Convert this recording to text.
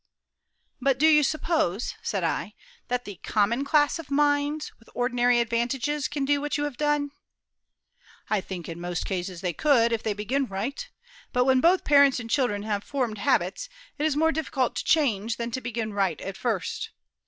"But do you suppose," said I, "that the common class of minds, with ordinary advantages, can do what you have done?" "I think in most cases they could, if they begin right. But when both parents and children have formed habits, it is more difficult to change than to begin right at first.